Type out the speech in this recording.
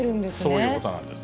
そういうことなんです。